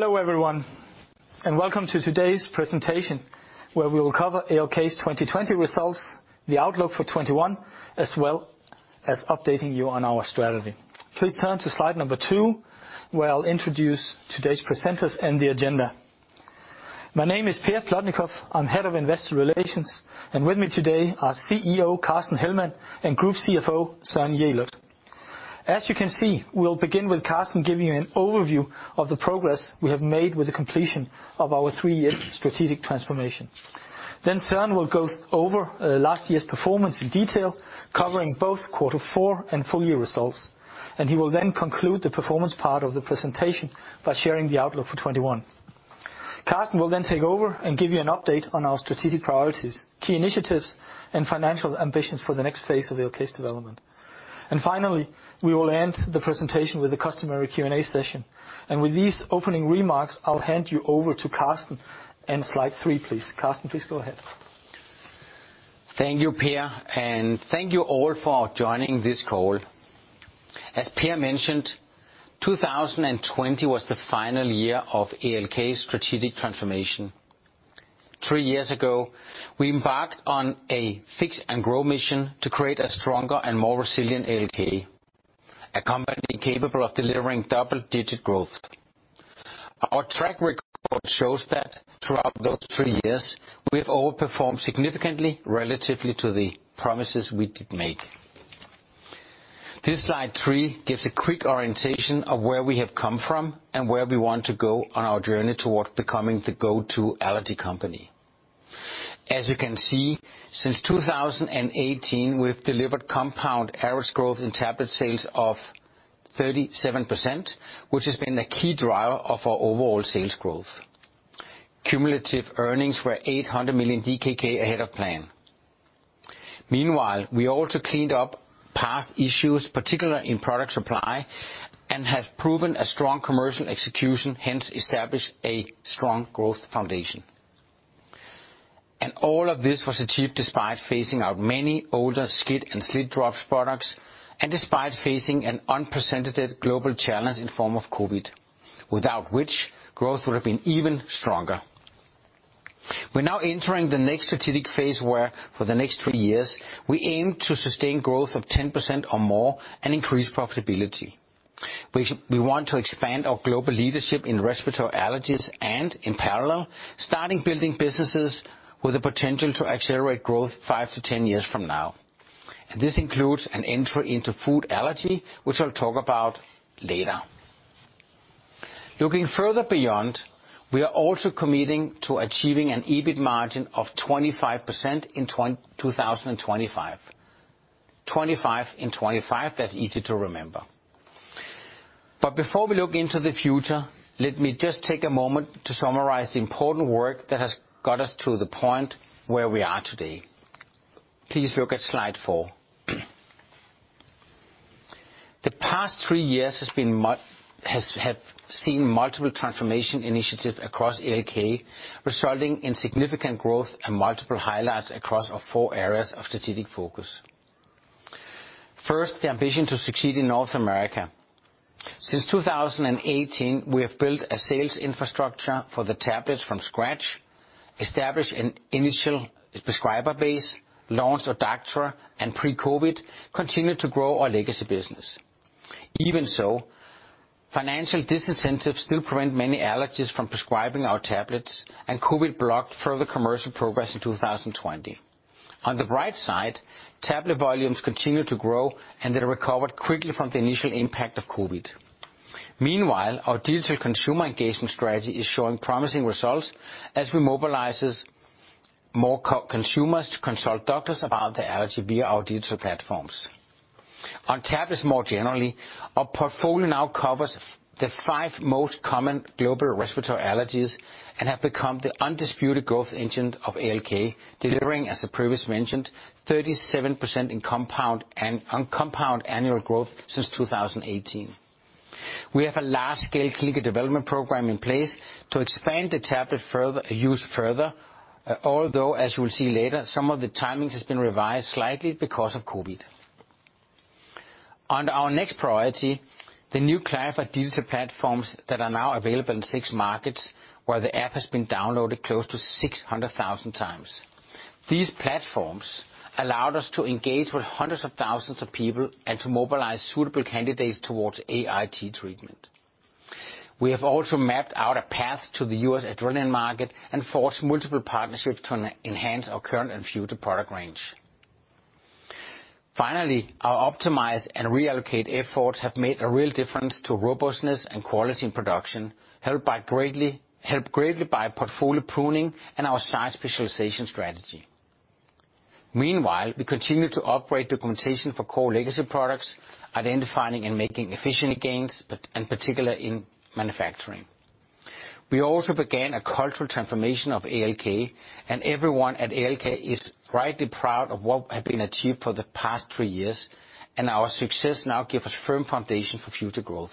Hello everyone, and welcome to today's presentation, where we will cover ALK's 2020 results, the outlook for 2021, as well as updating you on our strategy. Please turn to slide number two, where I'll introduce today's presenters and the agenda. My name is Per Plotnikof, I'm head of investor relations, and with me today are CEO Carsten Hellmann and Group CFO Søren Jelert. As you can see, we'll begin with Carsten giving you an overview of the progress we have made with the completion of our three-year strategic transformation. Then Søren will go over last year's performance in detail, covering both quarter four and full-year results, and he will then conclude the performance part of the presentation by sharing the outlook for 2021. Carsten will then take over and give you an update on our strategic priorities, key initiatives, and financial ambitions for the next phase of ALK's development. Finally, we will end the presentation with a customary Q&A session. With these opening remarks, I'll hand you over to Carsten and slide three, please. Carsten, please go ahead. Thank you, Per, and thank you all for joining this call. As Per mentioned, 2020 was the final year of ALK's strategic transformation. Three years ago, we embarked on a fix-and-grow mission to create a stronger and more resilient ALK, a company capable of delivering double-digit growth. Our track record shows that throughout those three years, we have overperformed significantly relative to the promises we did make. This slide three gives a quick orientation of where we have come from and where we want to go on our journey towards becoming the go-to allergy company. As you can see, since 2018, we've delivered compound average growth in tablet sales of 37%, which has been a key driver of our overall sales growth. Cumulative earnings were 800 million DKK ahead of plan. Meanwhile, we also cleaned up past issues, particularly in product supply, and have proven a strong commercial execution, hence established a strong growth foundation. And all of this was achieved despite phasing out many older SCIT and SLIT-drops products, and despite facing an unprecedented global challenge in the form of COVID, without which growth would have been even stronger. We're now entering the next strategic phase where, for the next three years, we aim to sustain growth of 10% or more and increase profitability. We want to expand our global leadership in respiratory allergies and, in parallel, start building businesses with the potential to accelerate growth 5 to 10 years from now. And this includes an entry into food allergy, which I'll talk about later. Looking further beyond, we are also committing to achieving an EBIT margin of 25% in 2025. 25 in 25, that's easy to remember. But before we look into the future, let me just take a moment to summarize the important work that has got us to the point where we are today. Please look at slide four. The past three years have seen multiple transformation initiatives across ALK, resulting in significant growth and multiple highlights across our four areas of strategic focus. First, the ambition to succeed in North America. Since 2018, we have built a sales infrastructure for the tablets from scratch, established an initial prescriber base, launched a DTC, and pre-COVID continued to grow our legacy business. Even so, financial disincentives still prevent many allergists from prescribing our tablets, and COVID blocked further commercial progress in 2020. On the bright side, tablet volumes continue to grow, and they recovered quickly from the initial impact of COVID. Meanwhile, our digital consumer engagement strategy is showing promising results as we mobilize more consumers to consult doctors about their allergy via our digital platforms. On tablets more generally, our portfolio now covers the five most common global respiratory allergies and has become the undisputed growth engine of ALK, delivering, as I previously mentioned, 37% in compound and uncompound annual growth since 2018. We have a large-scale clinical development program in place to expand the tablet use further, although, as you will see later, some of the timing has been revised slightly because of COVID. On our next priority, the new Klarify digital platforms that are now available in six markets, where the app has been downloaded close to 600,000 times. These platforms allowed us to engage with hundreds of thousands of people and to mobilize suitable candidates towards AIT treatment. We have also mapped out a path to the U.S. adrenaline market and forged multiple partnerships to enhance our current and future product range. Finally, our optimization and reallocation efforts have made a real difference to robustness and quality in production, helped greatly by portfolio pruning and our size specialization strategy. Meanwhile, we continue to upgrade documentation for core legacy products, identifying and making efficiency gains, and particularly in manufacturing. We also began a cultural transformation of ALK, and everyone at ALK is rightly proud of what has been achieved for the past three years, and our success now gives us a firm foundation for future growth.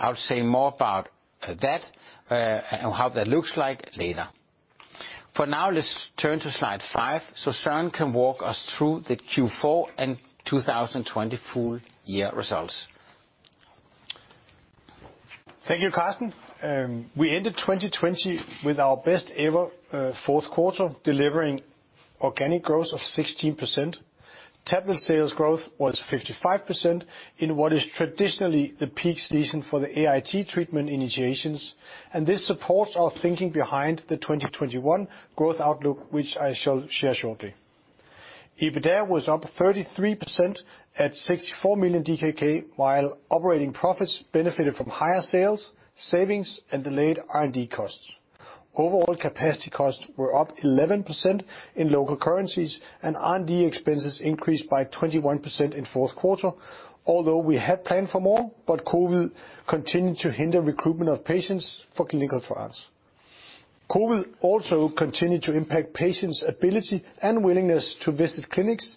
I'll say more about that and how that looks like later. For now, let's turn to slide 5 so Søren can walk us through the Q4 and 2020 full-year results. Thank you, Carsten. We ended 2020 with our best-ever fourth quarter, delivering organic growth of 16%. Tablet sales growth was 55% in what is traditionally the peak season for the AIT treatment initiations, and this supports our thinking behind the 2021 growth outlook, which I shall share shortly. EBITDA was up 33% at 64 million DKK, while operating profits benefited from higher sales, savings, and delayed R&D costs. Overall capacity costs were up 11% in local currencies, and R&D expenses increased by 21% in fourth quarter, although we had planned for more, but COVID continued to hinder recruitment of patients for clinical trials. COVID also continued to impact patients' ability and willingness to visit clinics,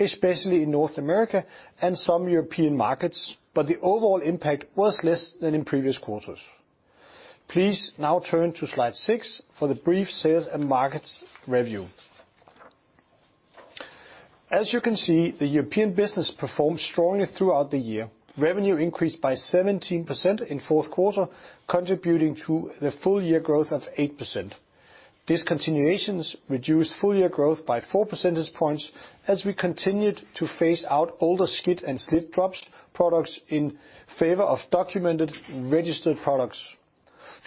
especially in North America and some European markets, but the overall impact was less than in previous quarters. Please now turn to slide six for the brief sales and markets review. As you can see, the European business performed strongly throughout the year. Revenue increased by 17% in fourth quarter, contributing to the full-year growth of 8%. Discontinuations reduced full-year growth by four percentage points as we continued to phase out older SCIT and SLIT drops products in favor of documented registered products.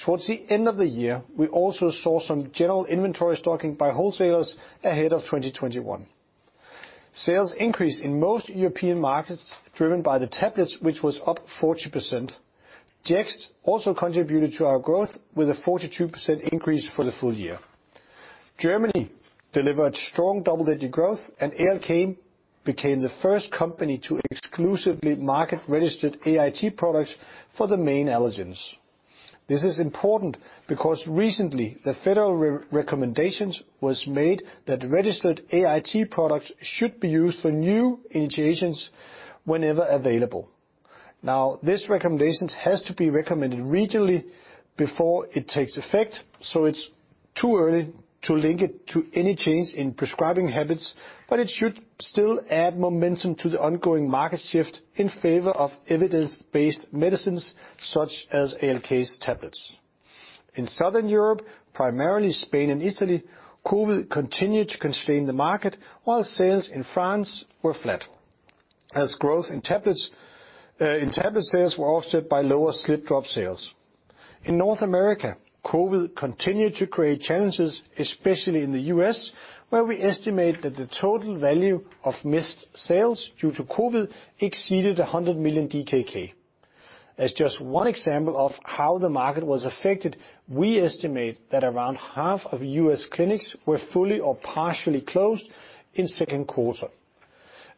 Towards the end of the year, we also saw some general inventory stocking by wholesalers ahead of 2021. Sales increased in most European markets, driven by the tablets, which was up 40%. Jext also contributed to our growth with a 42% increase for the full year. Germany delivered strong double-digit growth, and ALK became the first company to exclusively market registered AIT products for the main allergens. This is important because recently, the federal recommendation was made that registered AIT products should be used for new initiations whenever available. Now, this recommendation has to be recommended regionally before it takes effect, so it's too early to link it to any change in prescribing habits, but it should still add momentum to the ongoing market shift in favor of evidence-based medicines such as ALK's tablets. In Southern Europe, primarily Spain and Italy, COVID continued to constrain the market, while sales in France were flat, as growth in tablet sales was offset by lower SLIT drop sales. In North America, COVID continued to create challenges, especially in the U.S., where we estimate that the total value of missed sales due to COVID exceeded 100 million DKK. As just one example of how the market was affected, we estimate that around half of U.S. clinics were fully or partially closed in second quarter.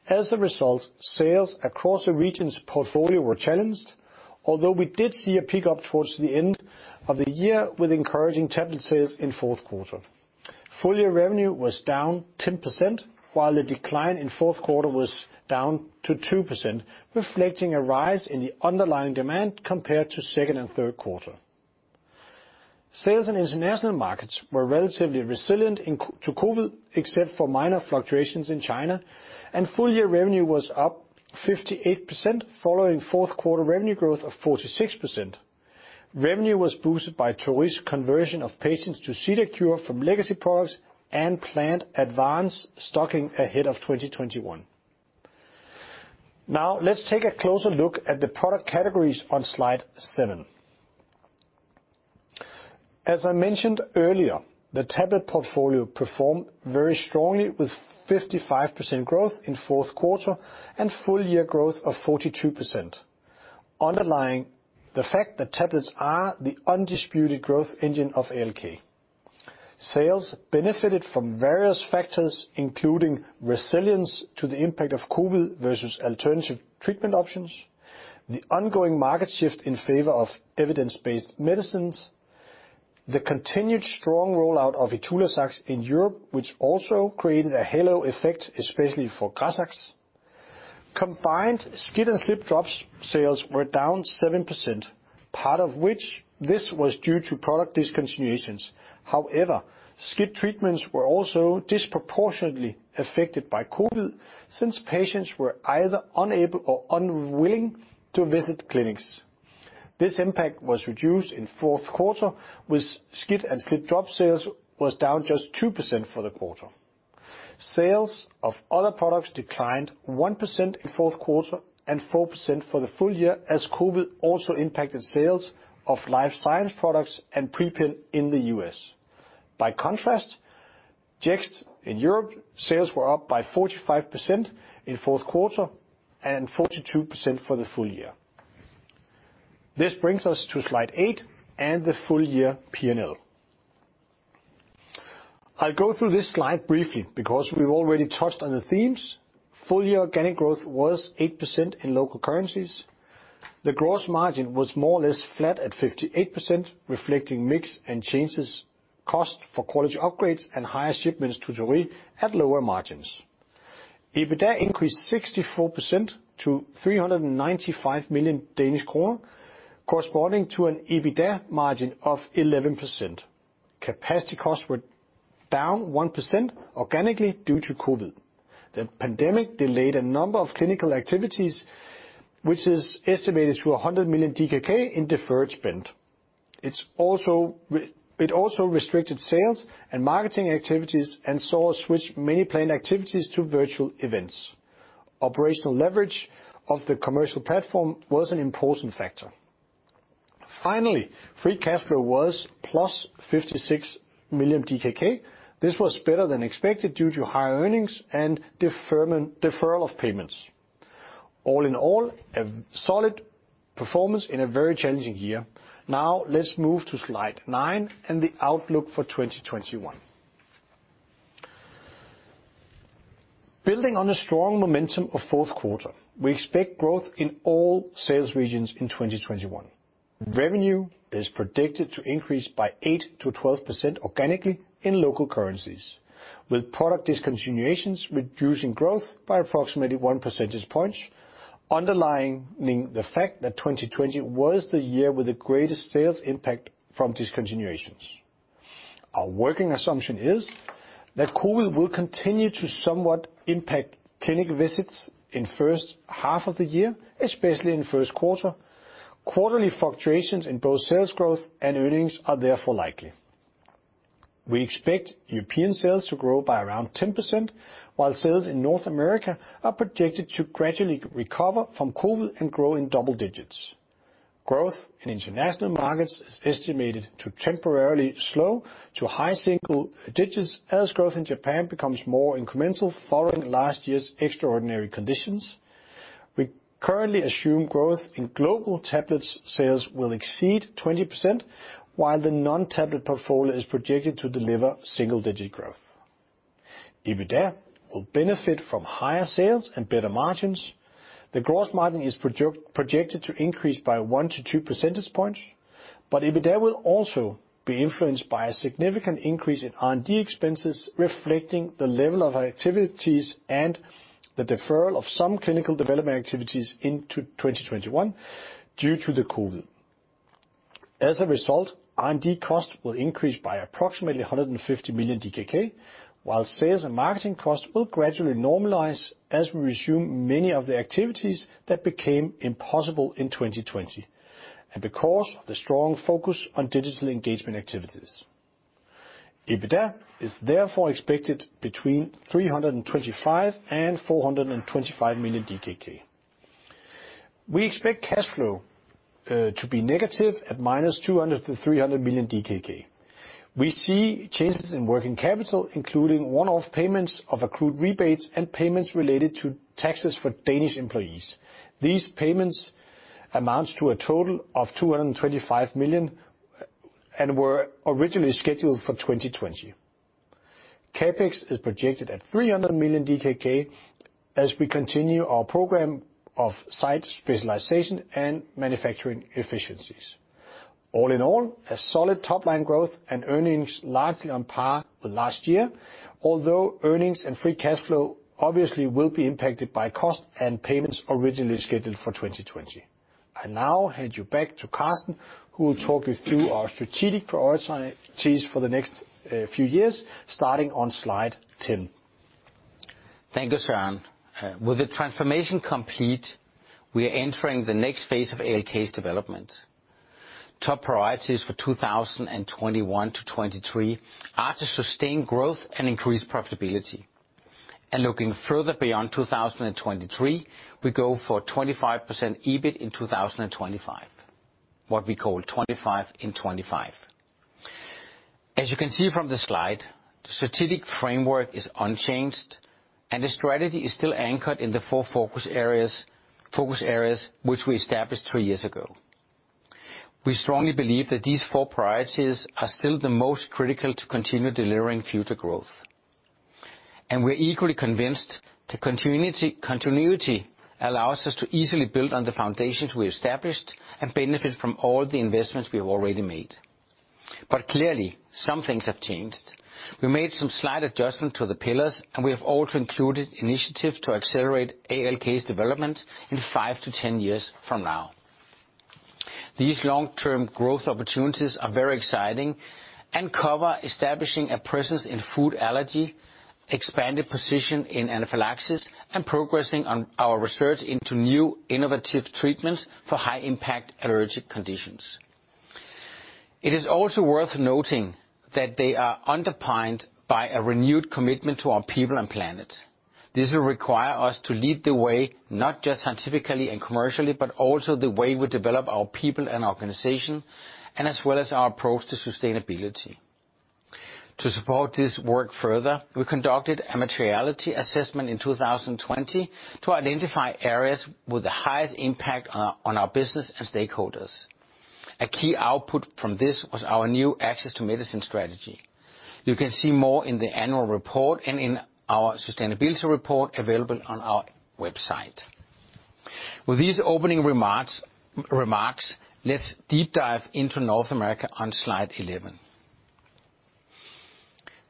As a result, sales across the region's portfolio were challenged, although we did see a pickup towards the end of the year with encouraging tablet sales in fourth quarter. Full-year revenue was down 10%, while the decline in fourth quarter was down to 2%, reflecting a rise in the underlying demand compared to second and third quarter. Sales in international markets were relatively resilient to COVID, except for minor fluctuations in China, and full-year revenue was up 58%, following fourth quarter revenue growth of 46%. Revenue was boosted by Torii conversion of patients to Cedarcure from legacy products and planned advance stocking ahead of 2021. Now, let's take a closer look at the product categories on slide seven. As I mentioned earlier, the tablet portfolio performed very strongly, with 55% growth in fourth quarter and full-year growth of 42%, underlining the fact that tablets are the undisputed growth engine of ALK. Sales benefited from various factors, including resilience to the impact of COVID versus alternative treatment options, the ongoing market shift in favor of evidence-based medicines, and the continued strong rollout of Itulazax in Europe, which also created a halo effect, especially for Grazax. Combined SCIT and SLIT drops sales were down 7%, part of which was due to product discontinuations. However, SCIT treatments were also disproportionately affected by COVID since patients were either unable or unwilling to visit clinics. This impact was reduced in fourth quarter, with SCIT and SLIT drop sales down just 2% for the quarter. Sales of other products declined 1% in fourth quarter and 4% for the full year, as COVID also impacted sales of life science products and Pre-Pen in the U.S. By contrast, Jext in Europe sales were up by 45% in fourth quarter and 42% for the full year. This brings us to slide eight and the full-year P&L. I'll go through this slide briefly because we've already touched on the themes. Full-year organic growth was 8% in local currencies. The gross margin was more or less flat at 58%, reflecting mix and changes cost for quality upgrades and higher shipments to Turkey at lower margins. EBITDA increased 64% to 395 million Danish kroner, corresponding to an EBITDA margin of 11%. Capacity costs were down 1% organically due to COVID. The pandemic delayed a number of clinical activities, which is estimated to 100 million DKK in deferred spend. It also restricted sales and marketing activities and saw a switch of many planned activities to virtual events. Operational leverage of the commercial platform was an important factor. Finally, free cash flow was +56 million DKK. This was better than expected due to higher earnings and deferral of payments. All in all, a solid performance in a very challenging year. Now, let's move to slide nine and the outlook for 2021. Building on a strong momentum of fourth quarter, we expect growth in all sales regions in 2021. Revenue is predicted to increase by 8%-12% organically in local currencies, with product discontinuations reducing growth by approximately one percentage point, underlining the fact that 2020 was the year with the greatest sales impact from discontinuations. Our working assumption is that COVID will continue to somewhat impact clinic visits in the first half of the year, especially in the first quarter. Quarterly fluctuations in both sales growth and earnings are therefore likely. We expect European sales to grow by around 10%, while sales in North America are projected to gradually recover from COVID and grow in double digits. Growth in international markets is estimated to temporarily slow to high single digits as growth in Japan becomes more incremental following last year's extraordinary conditions. We currently assume growth in global tablet sales will exceed 20%, while the non-tablet portfolio is projected to deliver single-digit growth. EBITDA will benefit from higher sales and better margins. The gross margin is projected to increase by 1-2 percentage points, but EBITDA will also be influenced by a significant increase in R&D expenses, reflecting the level of activities and the deferral of some clinical development activities into 2021 due to the COVID. As a result, R&D costs will increase by approximately 150 million DKK, while sales and marketing costs will gradually normalize as we resume many of the activities that became impossible in 2020 and because of the strong focus on digital engagement activities. EBITDA is therefore expected between 325 million and 425 million DKK. We expect cash flow to be negative at -200 million to 300 million DKK. We see changes in working capital, including one-off payments of accrued rebates and payments related to taxes for Danish employees. These payments amount to a total of 225 million and were originally scheduled for 2020. CapEx is projected at 300 million DKK as we continue our program of site specialization and manufacturing efficiencies. All in all, a solid top-line growth and earnings largely on par with last year, although earnings and free cash flow obviously will be impacted by cost and payments originally scheduled for 2020. I now hand you back to Carsten, who will talk you through our strategic priorities for the next few years, starting on slide 10. Thank you, Søren. With the transformation complete, we are entering the next phase of ALK's development. Top priorities for 2021 to 2023 are to sustain growth and increase profitability. And looking further beyond 2023, we go for 25% EBIT in 2025, what we call 25% in 2025. As you can see from the slide, the strategic framework is unchanged, and the strategy is still anchored in the four focus areas which we established three years ago. We strongly believe that these four priorities are still the most critical to continue delivering future growth. And we are equally convinced that continuity allows us to easily build on the foundations we established and benefit from all the investments we have already made. But clearly, some things have changed. We made some slight adjustments to the pillars, and we have also included initiatives to accelerate ALK's development in five to ten years from now. These long-term growth opportunities are very exciting and cover establishing a presence in food allergy, expanded position in anaphylaxis, and progressing on our research into new innovative treatments for high-impact allergic conditions. It is also worth noting that they are underpinned by a renewed commitment to our people and planet. This will require us to lead the way, not just scientifically and commercially, but also the way we develop our people and organization, and as well as our approach to sustainability. To support this work further, we conducted a materiality assessment in 2020 to identify areas with the highest impact on our business and stakeholders. A key output from this was our new access to medicine strategy. You can see more in the annual report and in our sustainability report available on our website. With these opening remarks, let's deep dive into North America on slide 11.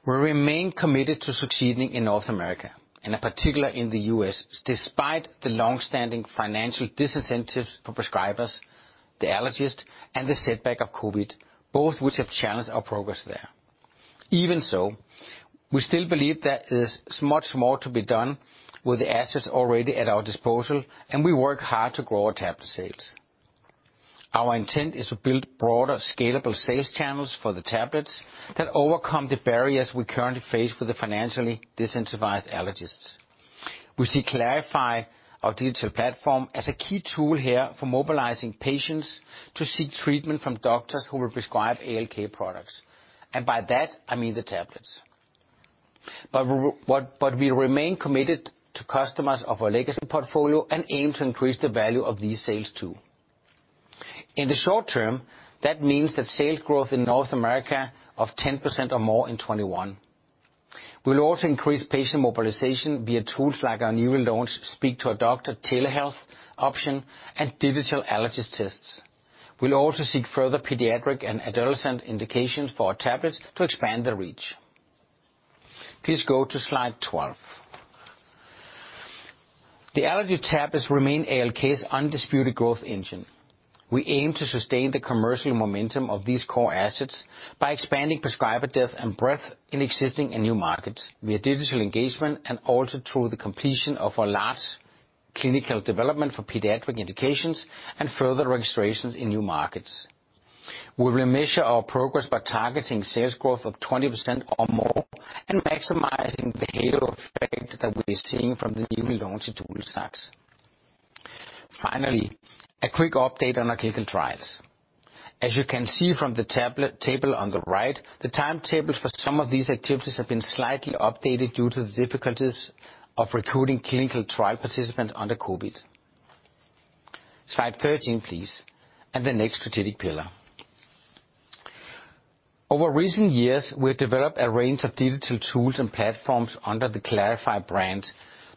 We remain committed to succeeding in North America, and in particular in the U.S., despite the long-standing financial disincentives for prescribers, the allergist, and the setback of COVID, both of which have challenged our progress there. Even so, we still believe that there is much more to be done with the assets already at our disposal, and we work hard to grow our tablet sales. Our intent is to build broader, scalable sales channels for the tablets that overcome the barriers we currently face with the financially disincentivized allergists. We see Klarify, our digital platform, as a key tool here for mobilizing patients to seek treatment from doctors who will prescribe ALK products, and by that, I mean the tablets. But we remain committed to customers of our legacy portfolio and aim to increase the value of these sales too. In the short term, that means that sales growth in North America is 10% or more in 2021. We will also increase patient mobilization via tools like our newly launched Speak to a Doctor telehealth option and digital allergist tests. We'll also seek further pediatric and adolescent indications for our tablets to expand the reach. Please go to slide 12. The allergy tablets remain ALK's undisputed growth engine. We aim to sustain the commercial momentum of these core assets by expanding prescriber depth and breadth in existing and new markets via digital engagement and also through the completion of our large clinical development for pediatric indications and further registrations in new markets. We will measure our progress by targeting sales growth of 20% or more and maximizing the halo effect that we are seeing from the newly launched Itulazax. Finally, a quick update on our clinical trials. As you can see from the table on the right, the timetables for some of these activities have been slightly updated due to the difficulties of recruiting clinical trial participants under COVID. Slide 13, please, and the next strategic pillar. Over recent years, we have developed a range of digital tools and platforms under the Klarify brand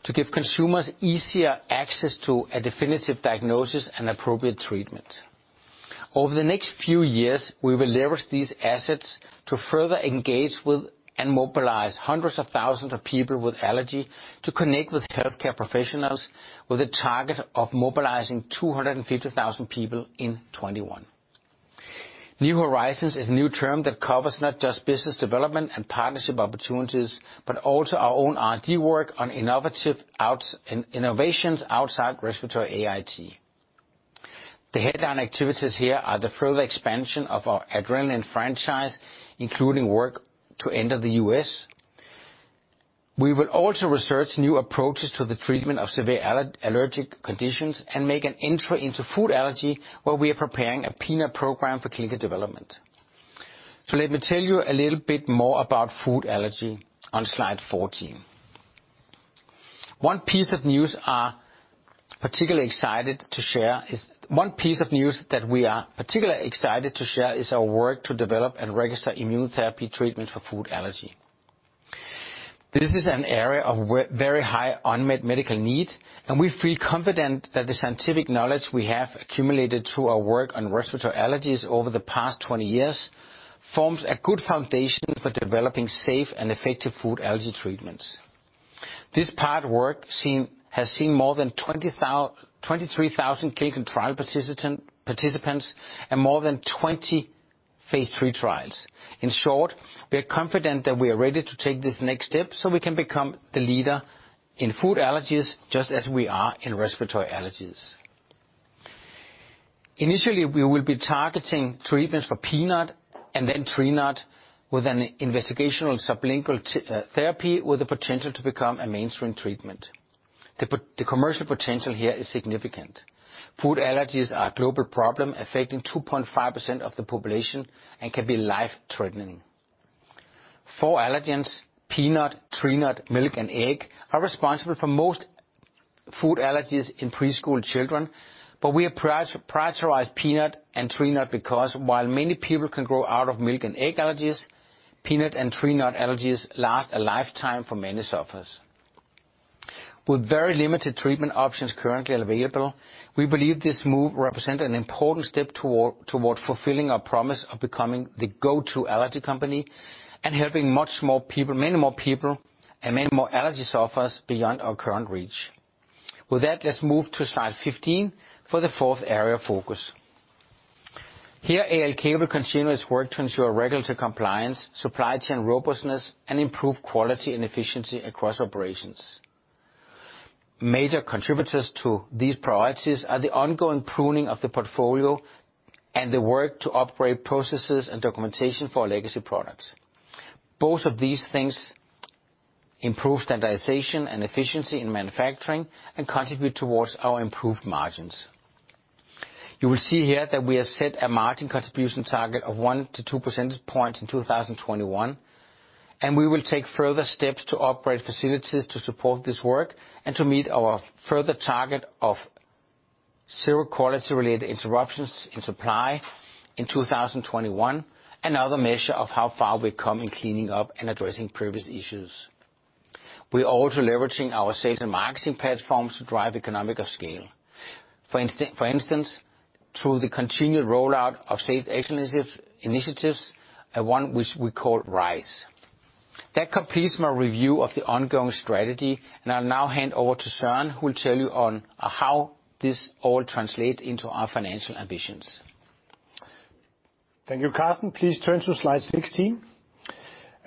to give consumers easier access to a definitive diagnosis and appropriate treatment. Over the next few years, we will leverage these assets to further engage with and mobilize hundreds of thousands of people with allergy to connect with healthcare professionals, with a target of mobilizing 250,000 people in 2021. New Horizons is a new term that covers not just business development and partnership opportunities, but also our own R&D work on innovations outside respiratory AIT. The headline activities here are the further expansion of our adrenaline franchise, including work to enter the U.S. We will also research new approaches to the treatment of severe allergic conditions and make an entry into food allergy, where we are preparing a peanut program for clinical development. So let me tell you a little bit more about food allergy on slide 14. One piece of news I'm particularly excited to share is our work to develop and register immune therapy treatments for food allergy. This is an area of very high unmet medical need, and we feel confident that the scientific knowledge we have accumulated through our work on respiratory allergies over the past 20 years forms a good foundation for developing safe and effective food allergy treatments. This part of work has seen more than 23,000 clinical trial participants and more than 20 phase III trials. In short, we are confident that we are ready to take this next step so we can become the leader in food allergies just as we are in respiratory allergies. Initially, we will be targeting treatments for peanut and then tree nut with an investigational sublingual therapy with the potential to become a mainstream treatment. The commercial potential here is significant. Food allergies are a global problem affecting 2.5% of the population and can be life-threatening. Four allergens: peanut, tree nut, milk, and egg are responsible for most food allergies in preschool children, but we have prioritized peanut and tree nut because while many people can grow out of milk and egg allergies, peanut and tree nut allergies last a lifetime for many sufferers. With very limited treatment options currently available, we believe this move represents an important step toward fulfilling our promise of becoming the go-to allergy company and helping many more people and many more allergy sufferers beyond our current reach. With that, let's move to slide 15 for the fourth area of focus. Here, ALK will continue its work to ensure regulatory compliance, supply chain robustness, and improve quality and efficiency across operations. Major contributors to these priorities are the ongoing pruning of the portfolio and the work to upgrade processes and documentation for our legacy products. Both of these things improve standardization and efficiency in manufacturing and contribute towards our improved margins. You will see here that we have set a margin contribution target of 1-2 percentage points in 2021, and we will take further steps to operate facilities to support this work and to meet our further target of zero quality-related interruptions in supply in 2021, another measure of how far we've come in cleaning up and addressing previous issues. We are also leveraging our sales and marketing platforms to drive economic scale. For instance, through the continued rollout of sales initiatives, one which we call RISE. That completes my review of the ongoing strategy, and I'll now hand over to Søren, who will tell you on how this all translates into our financial ambitions. Thank you, Carsten. Please turn to slide 16.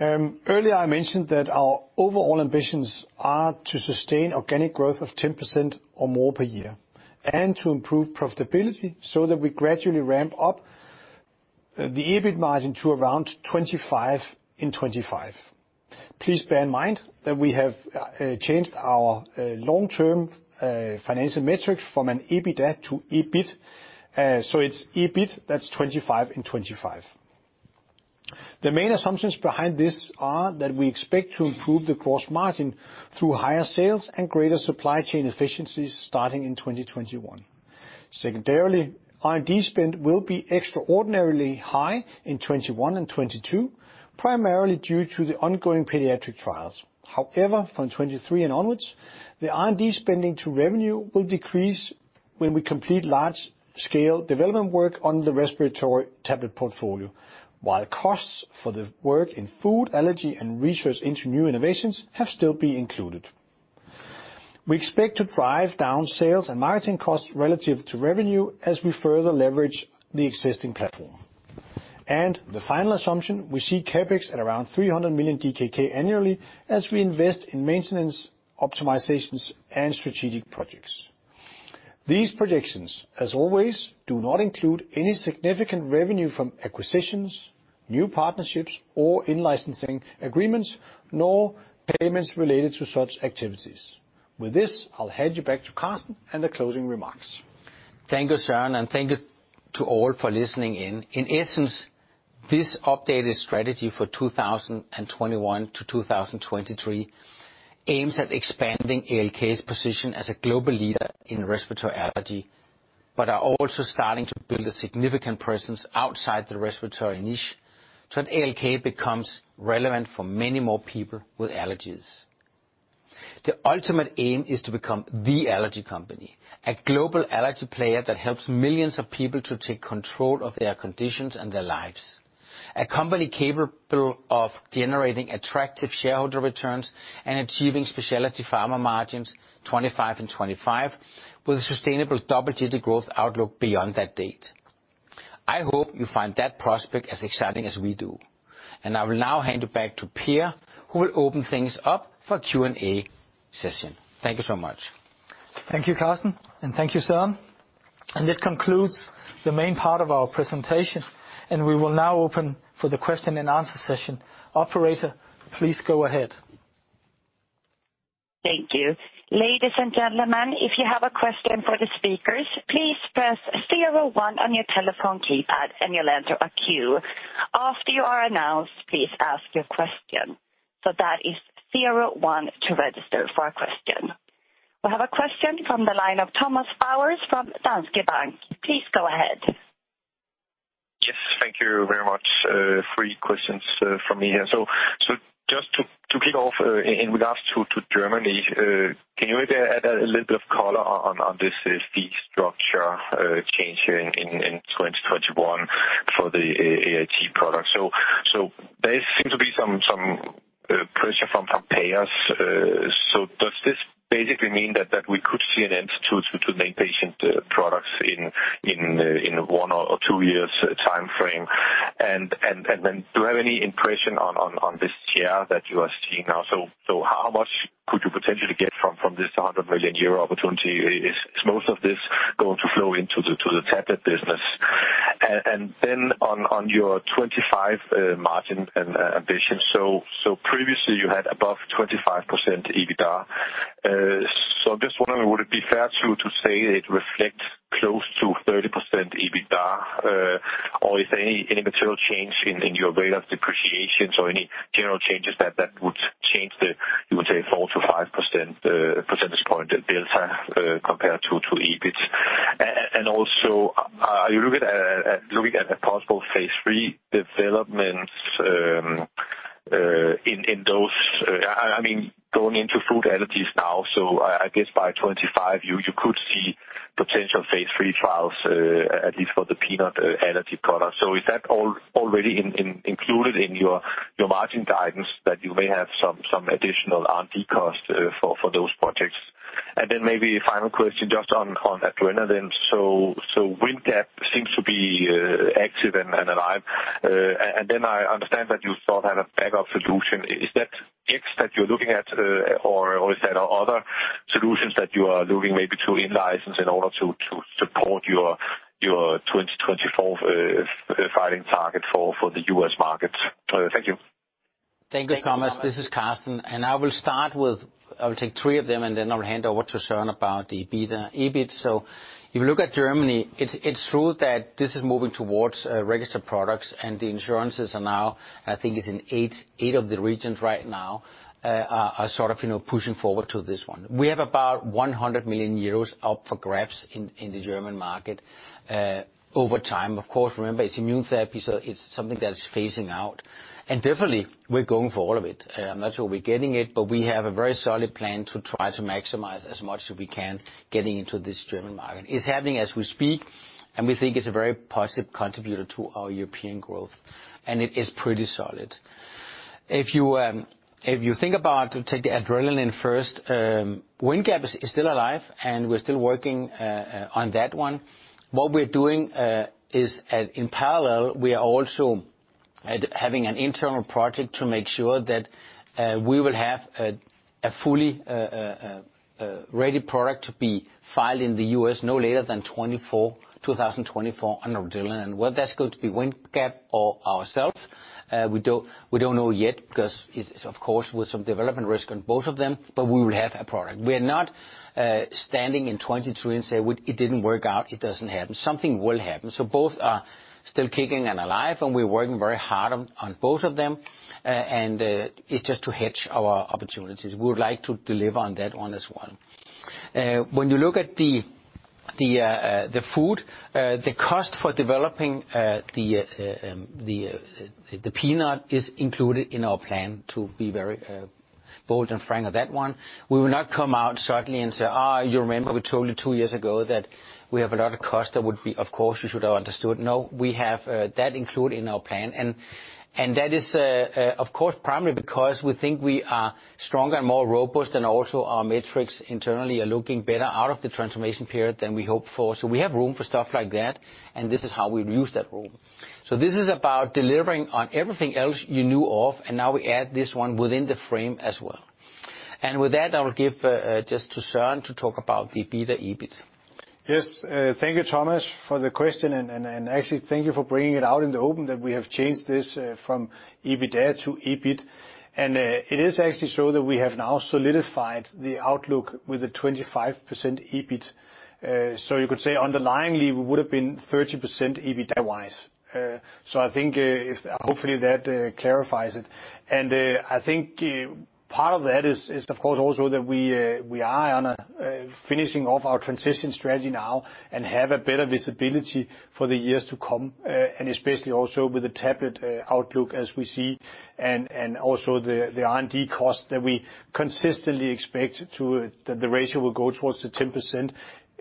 Earlier, I mentioned that our overall ambitions are to sustain organic growth of 10% or more per year and to improve profitability so that we gradually ramp up the EBIT margin to around 25% in 2025. Please bear in mind that we have changed our long-term financial metrics from an EBITDA to EBIT, so it's EBIT that's 25% in 2025. The main assumptions behind this are that we expect to improve the gross margin through higher sales and greater supply chain efficiencies starting in 2021. Secondarily, R&D spend will be extraordinarily high in 2021 and 2022, primarily due to the ongoing pediatric trials. However, from 2023 and onwards, the R&D spending to revenue will decrease when we complete large-scale development work on the respiratory tablet portfolio, while costs for the work in food allergy and research into new innovations have still been included. We expect to drive down sales and marketing costs relative to revenue as we further leverage the existing platform. And the final assumption, we see CapEx at around 300 million DKK annually as we invest in maintenance optimizations and strategic projects. These projections, as always, do not include any significant revenue from acquisitions, new partnerships, or in-licensing agreements, nor payments related to such activities. With this, I'll hand you back to Carsten and the closing remarks. Thank you, Søren, and thank you to all for listening in. In essence, this updated strategy for 2021 to 2023 aims at expanding ALK's position as a global leader in respiratory allergy, but are also starting to build a significant presence outside the respiratory niche so that ALK becomes relevant for many more people with allergies. The ultimate aim is to become the allergy company, a global allergy player that helps millions of people to take control of their conditions and their lives. A company capable of generating attractive shareholder returns and achieving specialty pharma margins 25% in 2025 with a sustainable double-digit growth outlook beyond that date. I hope you find that prospect as exciting as we do. And I will now hand you back to Per, who will open things up for a Q&A session. Thank you so much. Thank you, Carsten, and thank you, Søren. And this concludes the main part of our presentation, and we will now open for the question and answer session. Operator, please go ahead. Thank you. Ladies and gentlemen, if you have a question for the speakers, please press zero one on your telephone keypad, and you'll enter a queue. After you are announced, please ask your question. So that is zero one to register for a question. We have a question from the line of Thomas Bowers from Danske Bank. Please go ahead. Yes, thank you very much. Three questions from me here. Just to kick off in regards to Germany, can you add a little bit of color on this fee structure change in 2021 for the AIT product? There seems to be some pressure from payers. Does this basically mean that we could see an end to named patient products in one or two years' timeframe? Do you have any impression on this year that you are seeing now? How much could you potentially get from this 100 million euro opportunity? Is most of this going to flow into the tablet business? On your 25% margin ambition, previously you had above 25% EBITDA. I'm just wondering, would it be fair to say it reflects close to 30% EBITDA? Or is there any material change in your rate of depreciation or any general changes that would change the, you would say, 4-5 percentage point delta compared to EBIT? And also, are you looking at possible phase III developments in those? I mean, going into food allergies now, so I guess by 2025, you could see potential phase III trials, at least for the peanut allergy product. So is that already included in your margin guidance that you may have some additional R&D costs for those projects? And then maybe a final question just on adrenaline. So Windgap seems to be active and alive. And then I understand that you sort of have a backup solution. Is that X-Chem that you're looking at, or is there other solutions that you are looking maybe to in-license in order to support your 2024 filing target for the U.S. market? Thank you. Thank you, Thomas. This is Carsten. And I will start with, I will take three of them, and then I'll hand over to Søren about the EBIT. So if you look at Germany, it's true that this is moving towards registered products, and the insurances are now, I think it's in eight of the regions right now, are sort of pushing forward to this one. We have about 100 million euros up for grabs in the German market over time. Of course, remember, it's immunotherapy, so it's something that is phasing out. And definitely, we're going for all of it. I'm not sure we're getting it, but we have a very solid plan to try to maximize as much as we can getting into this German market. It's happening as we speak, and we think it's a very positive contributor to our European growth, and it is pretty solid. If you think about, take the Adrenaline first, Windgap is still alive, and we're still working on that one. What we're doing is, in parallel, we are also having an internal project to make sure that we will have a fully ready product to be filed in the U.S. no later than 2024 on Adrenaline. And whether that's going to be Windgap or ourselves, we don't know yet because, of course, with some development risk on both of them, but we will have a product. We are not standing in 2023 and say, "It didn't work out. It doesn't happen." Something will happen. So both are still kicking and alive, and we're working very hard on both of them, and it's just to hedge our opportunities. We would like to deliver on that one as well. When you look at the food, the cost for developing the peanut is included in our plan to be very bold and frank on that one. We will not come out suddenly and say, "Oh, you remember we told you two years ago that we have a lot of costs that would be, of course, you should have understood." No, we have that included in our plan. And that is, of course, primarily because we think we are stronger and more robust, and also our metrics internally are looking better out of the transformation period than we hoped for. So we have room for stuff like that, and this is how we use that room. So this is about delivering on everything else you knew of, and now we add this one within the frame as well. And with that, I will give just to Søren to talk about the EBIT and EBIT. Yes, thank you, Thomas, for the question. And actually, thank you for bringing it out in the open that we have changed this from EBITDA to EBIT. And it is actually so that we have now solidified the outlook with a 25% EBIT. So you could say underlyingly we would have been 30% EBITDA-wise. So I think hopefully that clarifies it. And I think part of that is, of course, also that we are finishing off our transition strategy now and have a better visibility for the years to come, and especially also with the tablet outlook as we see, and also the R&D costs that we consistently expect that the ratio will go towards the 10%,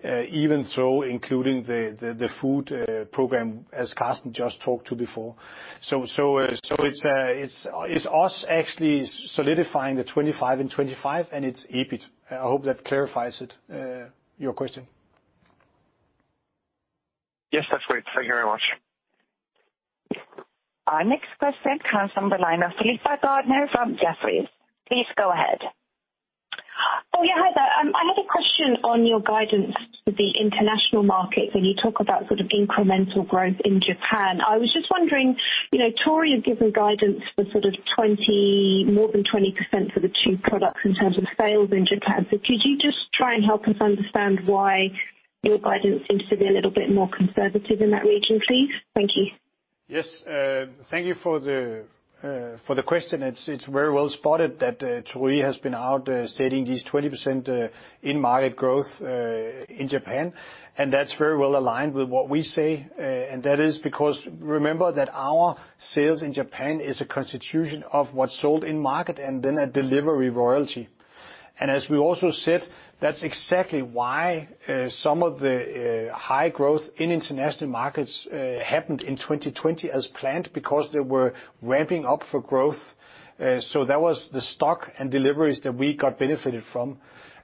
even though including the food program, as Carsten just talked to before. So it's us actually solidifying the 25% in 2025, and it's EBIT. I hope that clarifies your question. Yes, that's great. Thank you very much. Our next question comes from the line of Philippa Gardner from Jefferies. Please go ahead. Oh, yeah, hi there. I had a question on your guidance for the international market when you talk about sort of incremental growth in Japan. I was just wondering, Torii has given guidance for sort of more than 20% for the two products in terms of sales in Japan. So could you just try and help us understand why your guidance seems to be a little bit more conservative in that region, please? Thank you. Yes, thank you for the question. It's very well spotted that Torii has been out stating these 20% in-market growth in Japan, and that's very well aligned with what we say. And that is because remember that our sales in Japan consists of what's sold in market and then a delivery royalty. And as we also said, that's exactly why some of the high growth in international markets happened in 2020 as planned because they were ramping up for growth. So that was the stock and deliveries that we got benefited from.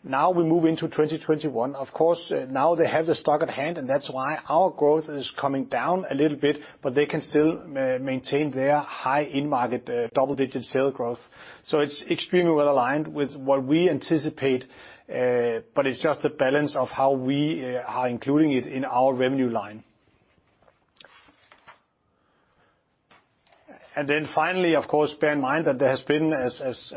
Now we move into 2021. Of course, now they have the stock at hand, and that's why our growth is coming down a little bit, but they can still maintain their high in-market double-digit sales growth. So it's extremely well aligned with what we anticipate, but it's just a balance of how we are including it in our revenue line. And then finally, of course, bear in mind that there has been, as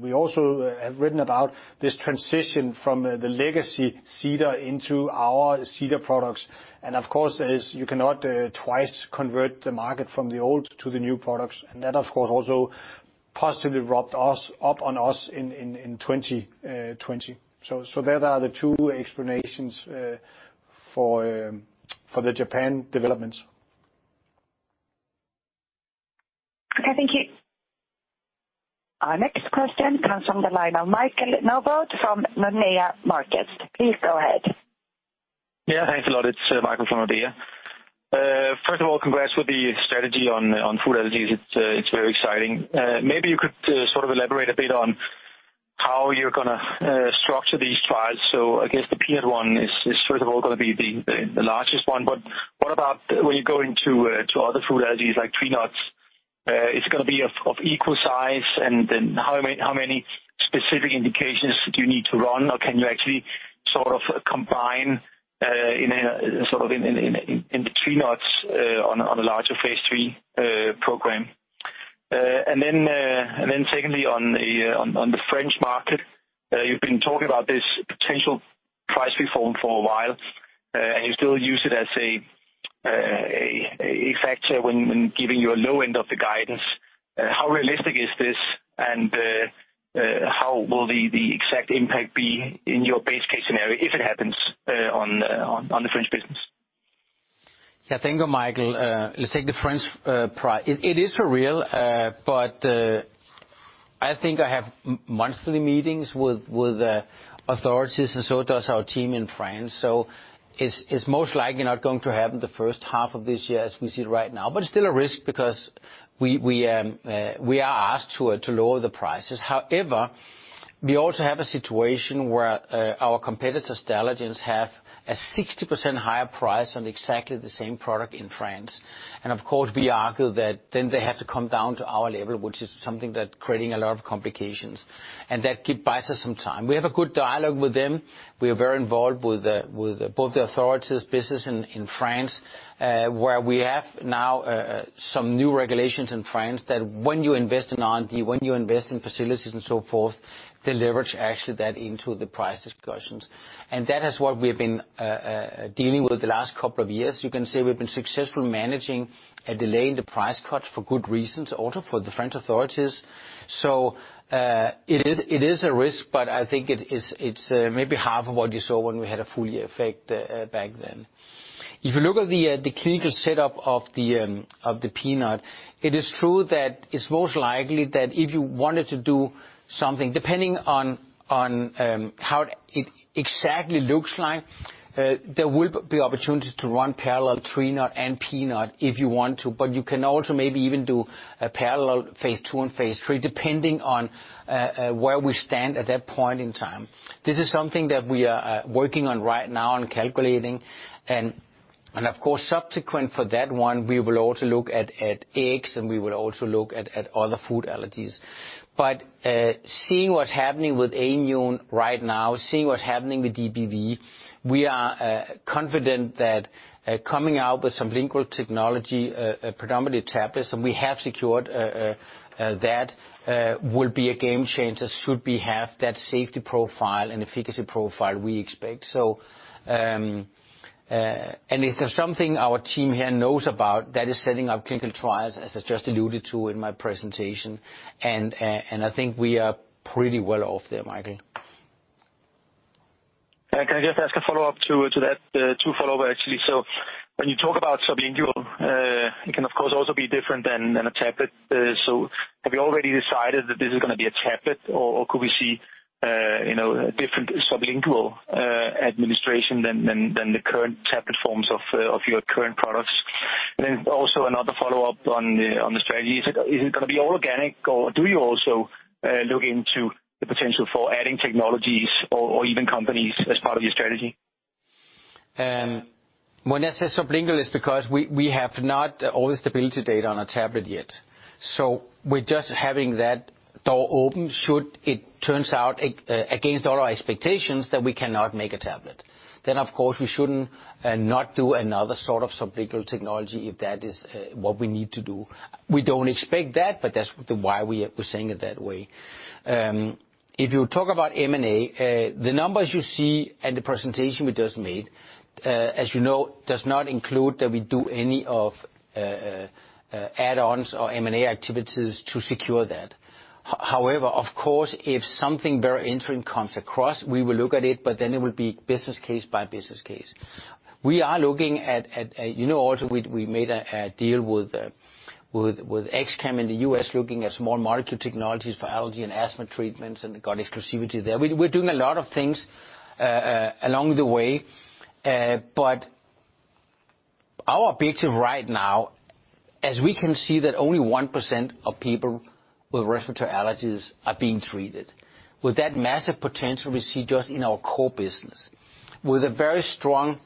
we also have written about, this transition from the legacy Cedarcure into our Cedarcure products. And of course, you cannot twice convert the market from the old to the new products. And that, of course, also positively rubbed up on us in 2020. So there are the two explanations for the Japan developments. Okay, thank you. Our next question comes from the line of Michael Novod from Nordea Markets. Please go ahead. Yeah, thanks a lot. It's Michael from Nordea. First of all, congrats with the strategy on food allergies. It's very exciting. Maybe you could sort of elaborate a bit on how you're going to structure these trials. So I guess the peanut one is, first of all, going to be the largest one. But what about when you go into other food allergies like tree nuts? Is it going to be of equal size? And then how many specific indications do you need to run, or can you actually sort of combine sort of in the tree nuts on a larger phase III program? And then secondly, on the French market, you've been talking about this potential price reform for a while, and you still use it as a factor when giving you a low end of the guidance. How realistic is this, and how will the exact impact be in your base case scenario if it happens on the French business? Yeah, thank you, Michael. Let's take the French price. It is surreal, but I think I have monthly meetings with authorities, and so does our team in France. So it's most likely not going to happen the first half of this year as we see it right now, but it's still a risk because we are asked to lower the prices. However, we also have a situation where our competitors' allergens have a 60% higher price on exactly the same product in France. And of course, we argue that then they have to come down to our level, which is something that's creating a lot of complications, and that gives buyers some time. We have a good dialogue with them. We are very involved with both the authorities' business in France, where we have now some new regulations in France that when you invest in R&D, when you invest in facilities and so forth, they leverage actually that into the price discussions, and that is what we have been dealing with the last couple of years. You can say we've been successful managing a delay in the price cuts for good reasons, also for the French authorities, so it is a risk, but I think it's maybe half of what you saw when we had a full effect back then. If you look at the clinical setup of the peanut, it is true that it's most likely that if you wanted to do something, depending on how it exactly looks like, there will be opportunities to run parallel tree nut and peanut if you want to. But you can also maybe even do a parallel phase II and phase III depending on where we stand at that point in time. This is something that we are working on right now and calculating. And of course, subsequent for that one, we will also look at eggs, and we will also look at other food allergies. But seeing what's happening with Aimmune right now, seeing what's happening with DBV, we are confident that coming out with some sublingual technology, predominantly tablets, and we have secured that, will be a game changer should we have that safety profile and efficacy profile we expect. And if there's something our team here knows about that is setting up clinical trials, as I just alluded to in my presentation, and I think we are pretty well off there, Michael. Can I just ask a follow-up to that? Two follow-ups, actually. So when you talk about sublingual, it can of course also be different than a tablet. So have you already decided that this is going to be a tablet, or could we see a different sublingual administration than the current tablet forms of your current products? And then also another follow-up on the strategy. Is it going to be all organic, or do you also look into the potential for adding technologies or even companies as part of your strategy? When I say sublingual, it's because we have not all the stability data on a tablet yet. So we're just having that door open should it turn out against all our expectations that we cannot make a tablet. Then, of course, we shouldn't not do another sort of sublingual technology if that is what we need to do. We don't expect that, but that's why we're saying it that way. If you talk about M&A, the numbers you see and the presentation we just made, as you know, does not include that we do any of add-ons or M&A activities to secure that. However, of course, if something very interesting comes across, we will look at it, but then it will be business case by business case. We are looking at, you know, also we made a deal with X-Chem in the U.S. looking at small molecule technologies for allergy and asthma treatments and got exclusivity there. We're doing a lot of things along the way, but our objective right now, as we can see that only 1% of people with respiratory allergies are being treated, with that massive potential we see just in our core business, with a very strong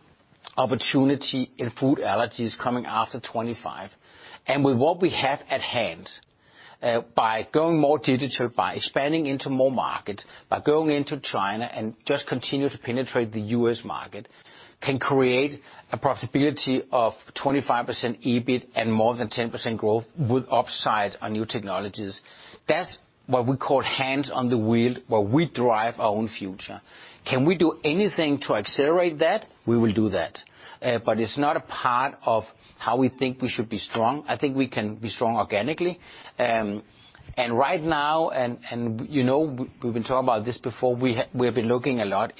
opportunity in food allergies coming after 2025, and with what we have at hand, by going more digital, by expanding into more markets, by going into China and just continue to penetrate the U.S. market, can create a profitability of 25% EBIT and more than 10% growth with upside on new technologies. That's what we call hands on the wheel where we drive our own future. Can we do anything to accelerate that? We will do that, but it's not a part of how we think we should be strong. I think we can be strong organically, and right now, you know we've been talking about this before, we have been looking a lot.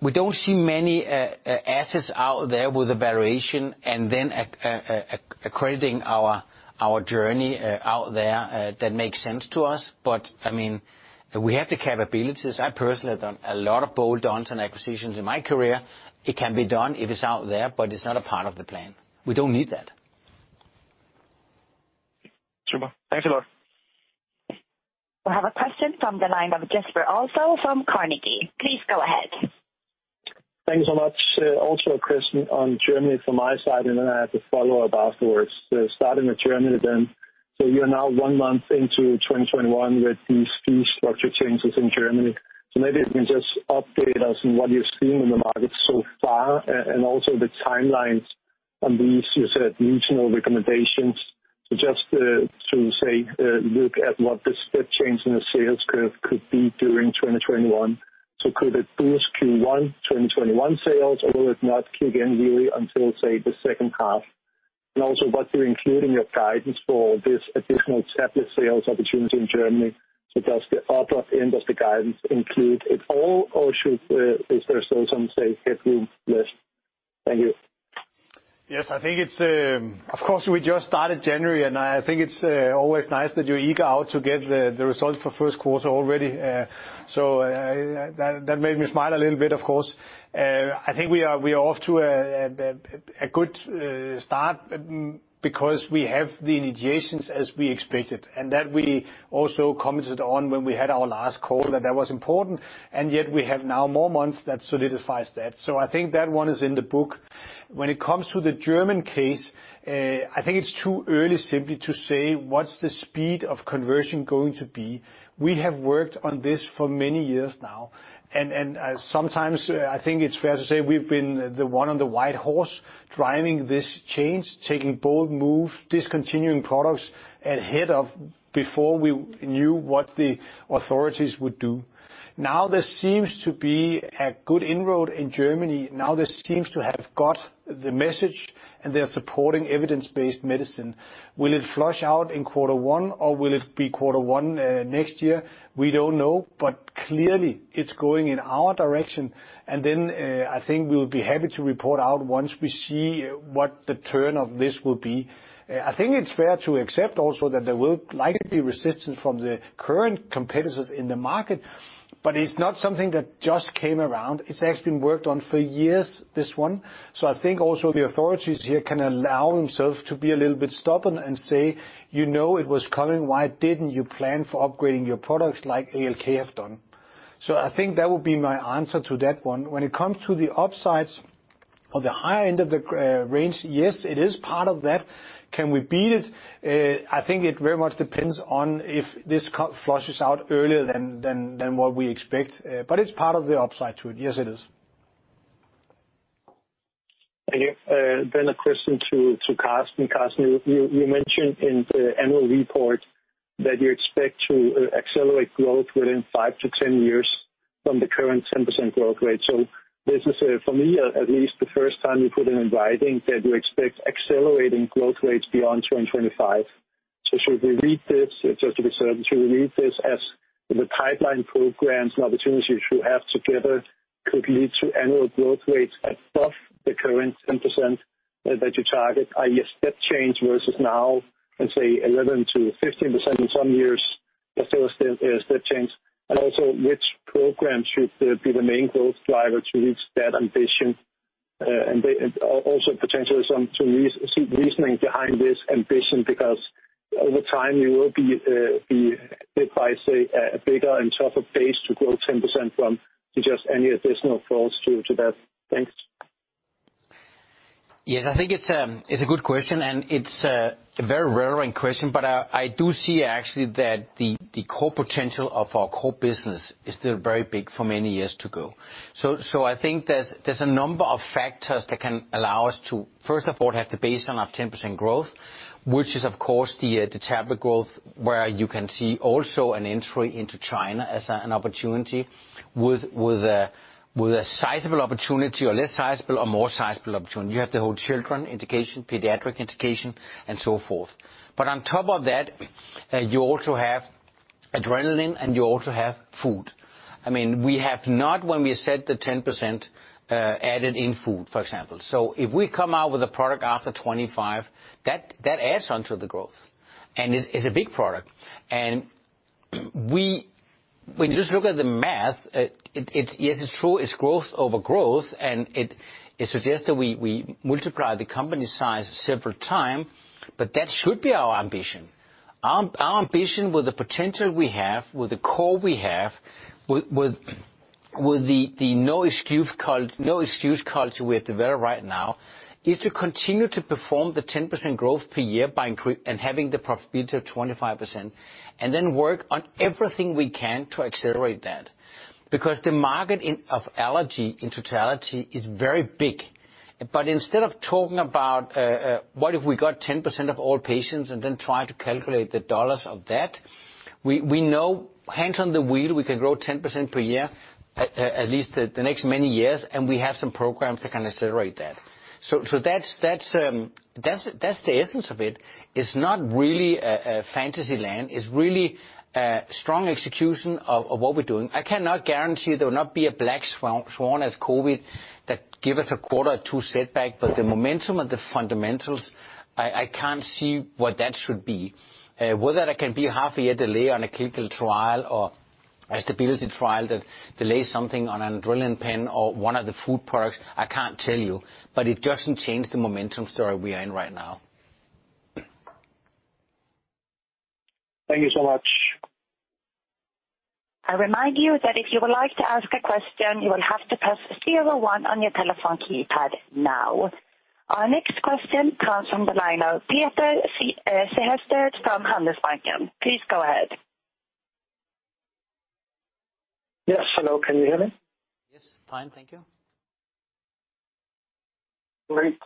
We don't see many assets out there with a valuation and then accelerating our journey out there that makes sense to us, but I mean, we have the capabilities. I personally have done a lot of bolt-ons and acquisitions in my career. It can be done if it's out there, but it's not a part of the plan. We don't need that. Super. Thanks a lot. We have a question from the line of Jesper Ilsøe from Carnegie. Please go ahead. Thank you so much. Also a question on Germany from my side, and then I have a follow-up afterwards. Starting with Germany then, so you're now one month into 2021 with these fee structure changes in Germany. So maybe you can just update us on what you've seen in the market so far and also the timelines on these, you said, regional recommendations. So just to say, look at what the step change in the sales curve could be during 2021. So could it boost Q1 2021 sales, or will it not kick in really until, say, the second half? And also what do you include in your guidance for this additional tablet sales opportunity in Germany? So does the other end of the guidance include it all, or is there still some, say, headroom left? Thank you. Yes, I think it's, of course, we just started in January, and I think it's always nice that you're eager to get the results for first quarter already. That made me smile a little bit, of course. I think we are off to a good start because we have the initiations as we expected, and that we also commented on when we had our last call that that was important. And yet we have now more months that solidifies that. So I think that one is in the book. When it comes to the German case, I think it's too early simply to say what's the speed of conversion going to be. We have worked on this for many years now. And sometimes I think it's fair to say we've been the one on the white horse driving this change, taking bold moves, discontinuing products ahead of before we knew what the authorities would do. Now there seems to be a good inroad in Germany. Now there seems to have got the message, and they're supporting evidence-based medicine. Will it flush out in quarter one, or will it be quarter one next year? We don't know, but clearly it's going in our direction. And then I think we will be happy to report out once we see what the turn of this will be. I think it's fair to accept also that there will likely be resistance from the current competitors in the market, but it's not something that just came around. It's actually been worked on for years, this one. So I think also the authorities here can allow themselves to be a little bit stubborn and say, you know, it was coming. Why didn't you plan for upgrading your products like ALK have done? So I think that would be my answer to that one. When it comes to the upsides or the higher end of the range, yes, it is part of that. Can we beat it? I think it very much depends on if this flushes out earlier than what we expect, but it's part of the upside to it. Yes, it is. Thank you. Then a question to Carsten. Carsten, you mentioned in the annual report that you expect to accelerate growth within 5 to 10 years from the current 10% growth rate. So this is, for me at least, the first time you put in writing that you expect accelerating growth rates beyond 2025. So should we read this just to be certain? Should we read this as the pipeline programs and opportunities you have together could lead to annual growth rates above the current 10% that you target? Are you a step change versus now, let's say, 11%-15% in some years, but still a step change? And also which programs should be the main growth driver to reach that ambition? Also potentially some reasoning behind this ambition because over time you will be hit by, say, a bigger and tougher base to grow 10% from, to just any additional growth to that. Thanks. Yes, I think it's a good question, and it's a very rare question, but I do see actually that the core potential of our core business is still very big for many years to go. So I think there's a number of factors that can allow us to, first of all, have the baseline of 10% growth, which is, of course, the tablet growth where you can see also an entry into China as an opportunity with a sizable opportunity or less sizable or more sizable opportunity. You have the whole child indication, pediatric indication, and so forth. But on top of that, you also have adrenaline, and you also have food. I mean, we have not, when we said the 10% added in food, for example. So if we come out with a product after 2025, that adds on to the growth, and it's a big product. When you just look at the math, yes, it's true. It's growth over growth, and it suggests that we multiply the company size several times, but that should be our ambition. Our ambition with the potential we have, with the core we have, with the no-excuse culture we have developed right now, is to continue to perform the 10% growth per year and having the profitability of 25%, and then work on everything we can to accelerate that. Because the market of allergy in totality is very big. But instead of talking about what if we got 10% of all patients and then trying to calculate the dollars of that, we know hands on the wheel, we can grow 10% per year at least the next many years, and we have some programs that can accelerate that. So that's the essence of it. It's not really a fantasy land. It's really a strong execution of what we're doing. I cannot guarantee there will not be a black swan as COVID that gives us a quarter or two setback, but the momentum of the fundamentals, I can't see what that should be. Whether there can be a half a year delay on a clinical trial or a stability trial that delays something on an adrenaline pen or one of the food products, I can't tell you, but it doesn't change the momentum story we are in right now. Thank you so much. I remind you that if you would like to ask a question, you will have to press zero one on your telephone keypad now. Our next question comes from the line of Peter Sehested from Handelsbanken. Please go ahead. Yes, hello. Can you hear me? Yes, fine. Thank you. Great.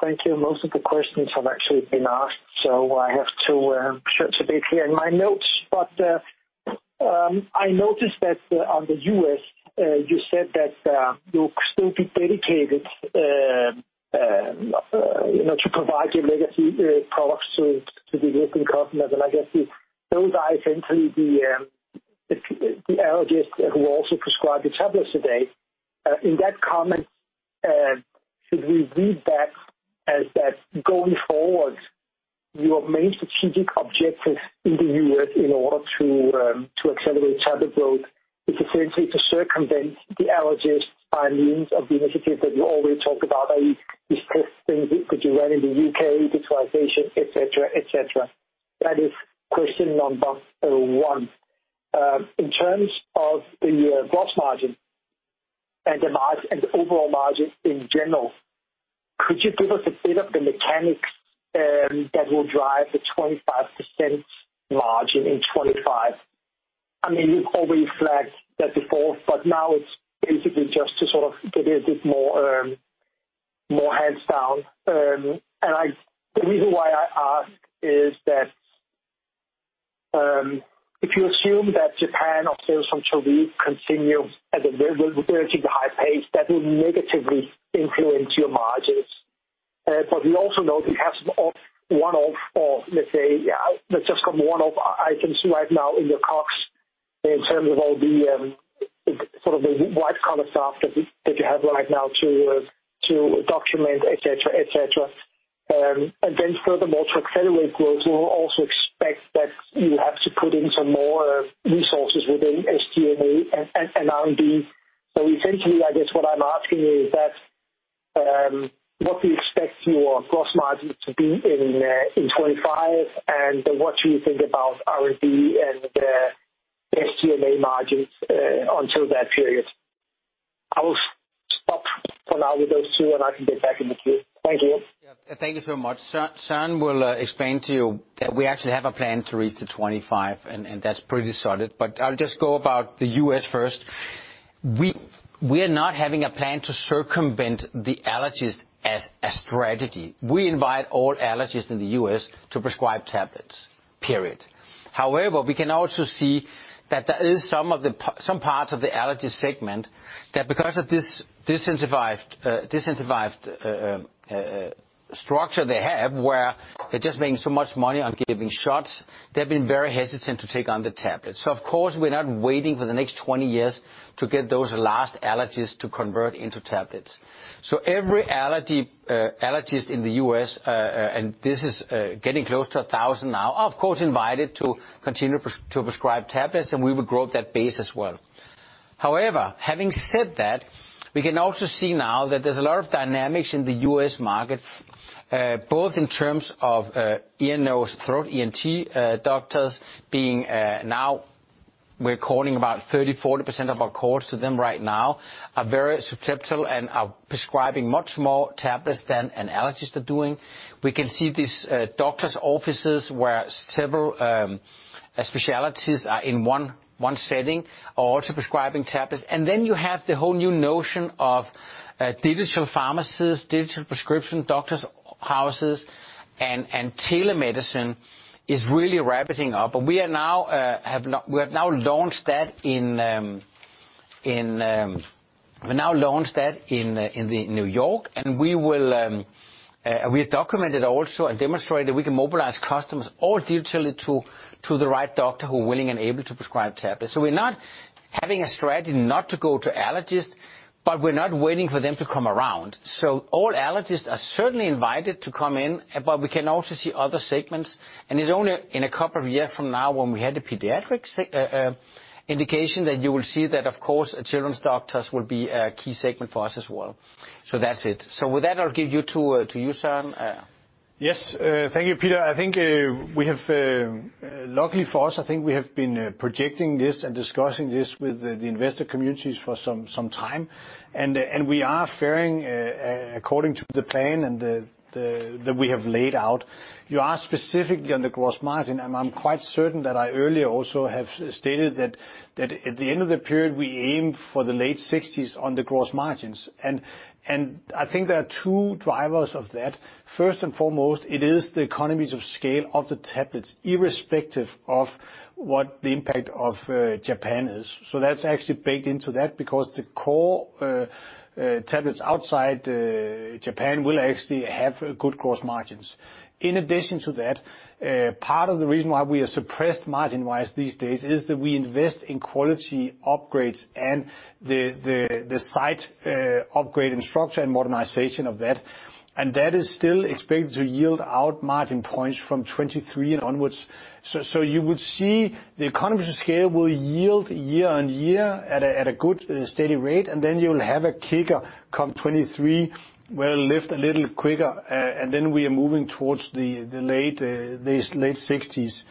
Thank you. Most of the questions have actually been asked, so I have to share a bit here in my notes. But I noticed that on the U.S., you said that you'll still be dedicated to provide your legacy products to the existing customers. And I guess those are essentially the allergists who also prescribe the tablets today. In that comment, should we read that as that going forward, your main strategic objective in the U.S. in order to accelerate tablet growth is essentially to circumvent the allergists by means of the initiatives that you already talked about, i.e., these test things that you ran in the U.K., digitalization, etc., etc. That is question number one. In terms of the gross margin and the overall margin in general, could you give us a bit of the mechanics that will drive the 25% margin in 2025? I mean, you've already flagged that before, but now it's basically just to sort of get a bit more hands-on. And the reason why I ask is that if you assume that Japan or sales from Cedarcure continue at a relatively high pace, that will negatively influence your margins. But we also know that you have some one-off or, let's say, let's just call them one-off items right now in your COGS in terms of all the sort of the write-off stuff that you have right now to document, etc., etc. And then furthermore, to accelerate growth, we will also expect that you have to put in some more resources within SG&A and R&D. So essentially, I guess what I'm asking you is that what do you expect your gross margin to be in 2025, and what do you think about R&D and SG&A margins until that period? I will stop for now with those two, and I can get back in with you. Thank you. Thank you so much. Søren will explain to you that we actually have a plan to reach the 2025, and that's pretty solid. But I'll just go about the U.S. first. We are not having a plan to circumvent the allergist as a strategy. We invite all allergists in the U.S. to prescribe tablets, period. However, we can also see that there is some part of the allergy segment that because of this disincentivized structure they have where they're just making so much money on giving shots, they've been very hesitant to take on the tablets. So of course, we're not waiting for the next 20 years to get those last allergists to convert into tablets. So every allergist in the U.S., and this is getting close to 1,000 now, are of course invited to continue to prescribe tablets, and we will grow that base as well. However, having said that, we can also see now that there's a lot of dynamics in the U.S. market, both in terms of ear, nose, throat ENT doctors being now. We're calling about 30%-40% of our calls to them right now. They are very susceptible and are prescribing much more tablets than an allergist are doing. We can see these doctors' offices where several specialties are in one setting are also prescribing tablets. And then you have the whole new notion of digital pharmacies, digital prescription doctors, houses, and telemedicine is really rapidly up. But we have now launched that in New York, and we have documented also and demonstrated that we can mobilize customers all digitally to the right doctor who are willing and able to prescribe tablets. So we're not having a strategy not to go to allergists, but we're not waiting for them to come around. So all allergists are certainly invited to come in, but we can also see other segments. And it's only in a couple of years from now when we had the pediatric indication that you will see that, of course, children's doctors will be a key segment for us as well. So that's it. So with that, I'll give it to you, Søren. Yes. Thank you, Peter. I think we have luckily for us. I think we have been projecting this and discussing this with the investor communities for some time, and we are faring according to the plan that we have laid out. You asked specifically on the gross margin, and I'm quite certain that I earlier also have stated that at the end of the period, we aim for the late 60s% on the gross margins, and I think there are two drivers of that. First and foremost, it is the economies of scale of the tablets, irrespective of what the impact of Japan is. So that's actually baked into that because the core tablets outside Japan will actually have good gross margins. In addition to that, part of the reason why we are suppressed margin-wise these days is that we invest in quality upgrades and the site upgrade and structure and modernization of that. And that is still expected to yield out margin points from 2023 and onwards. So you will see the economies of scale will yield year on year at a good steady rate, and then you will have a kicker come 2023 where it'll lift a little quicker, and then we are moving towards the late 60s.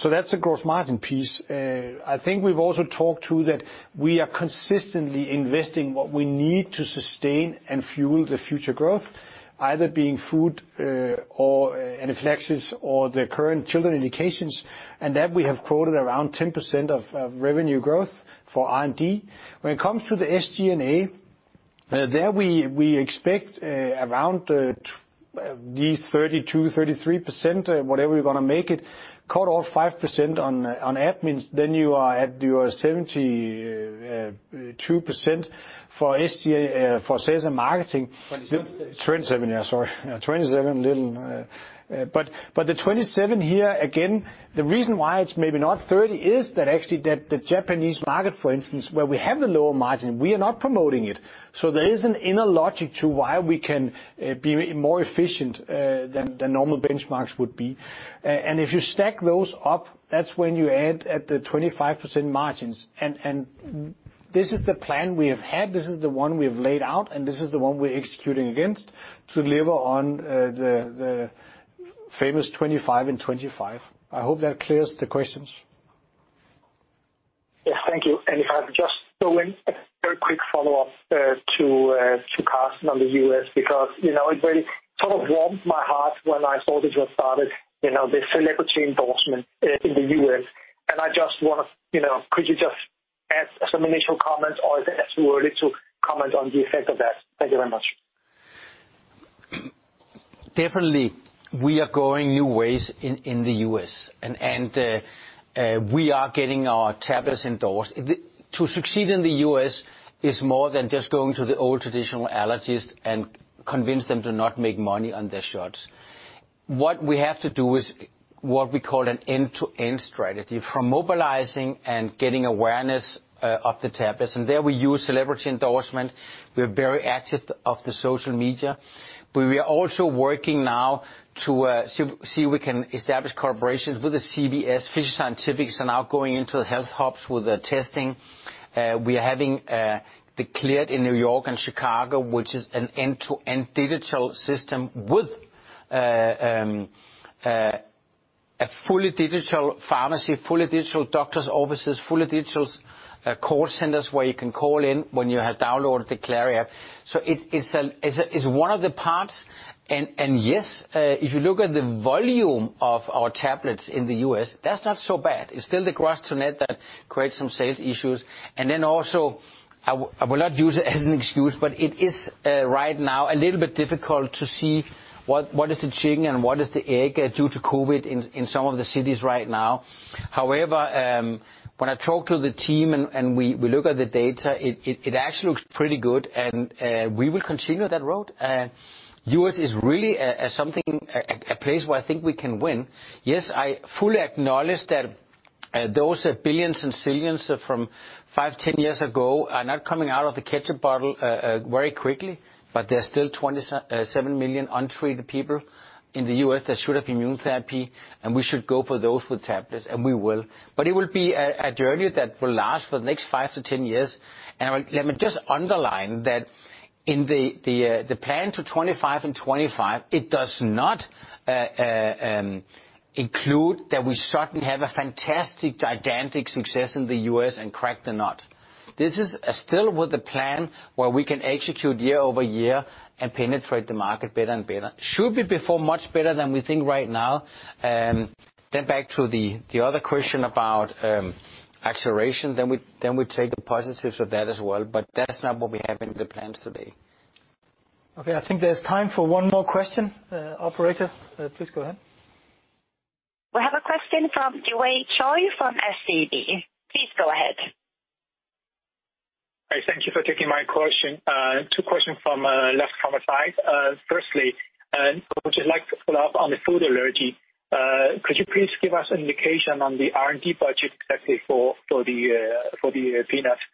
So that's the gross margin piece. I think we've also talked to that we are consistently investing what we need to sustain and fuel the future growth, either being food or anaphylaxis or the current children indications, and that we have quoted around 10% of revenue growth for R&D. When it comes to the SG&A, there we expect around these 32%-33%, whatever you're going to make it, cut off 5% on admins, then you are at your 72% for SG&A for sales and marketing. 27. 27, yeah, sorry. 27, little. But the 27 here, again, the reason why it's maybe not 30 is that actually the Japanese market, for instance, where we have the lower margin, we are not promoting it. So there is an inner logic to why we can be more efficient than normal benchmarks would be. And if you stack those up, that's when you end at the 25% margins. And this is the plan we have had. This is the one we have laid out, and this is the one we're executing against to deliver on the famous 25% and 2025. I hope that clears the questions. Yes, thank you. And if I can just throw in a very quick follow-up to Carsten on the U.S. because it really sort of warmed my heart when I saw that you had started the celebrity endorsement in the U.S. And I just want to, could you just add some initial comments or is it too early to comment on the effect of that? Thank you very much. Definitely. We are going new ways in the U.S., and we are getting our tablets endorsed. To succeed in the U.S. is more than just going to the old traditional allergist and convince them to not make money on their shots. What we have to do is what we call an end-to-end strategy for mobilizing and getting awareness of the tablets. And there we use celebrity endorsement. We are very active on social media. But we are also working now to see if we can establish collaborations with the CVS. Fisher Scientific is now going into the HealthHubs with the testing. We are having Cleared in New York and Chicago, which is an end-to-end digital system with a fully digital pharmacy, fully digital doctors' offices, fully digital call centers where you can call in when you have downloaded the Klarify app. So it's one of the parts. And yes, if you look at the volume of our tablets in the U.S., that's not so bad. It's still the gross-to-net that creates some sales issues. And then also, I will not use it as an excuse, but it is right now a little bit difficult to see what is the chicken and what is the egg due to COVID in some of the cities right now. However, when I talk to the team and we look at the data, it actually looks pretty good, and we will continue that road. U.S. is really something, a place where I think we can win. Yes, I fully acknowledge that those billions and zillions from five, 10 years ago are not coming out of the ketchup bottle very quickly, but there are still 27 million untreated people in the U.S. that should have immune therapy, and we should go for those with tablets, and we will. But it will be a journey that will last for the next five to 10 years. And let me just underline that in the plan to 25% and 2025, it does not include that we suddenly have a fantastic gigantic success in the U.S. and crack the nut. This is still with the plan where we can execute year-over-year and penetrate the market better and better. Should be much better than we think right now. Then, back to the other question about acceleration, then we take the positives of that as well, but that's not what we have in the plans today. Okay. I think there's time for one more question, Operator. Please go ahead. We have a question from Dhevish Choi from SEB. Please go ahead. Thank you for taking my question. Two questions from the left-hand side. Firstly, I would just like to follow up on the food allergy. Could you please give us an indication on the R&D budget exactly for the peanuts